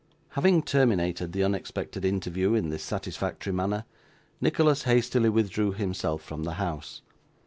Having terminated the unexpected interview in this satisfactory manner, Nicholas hastily withdrew himself from the house.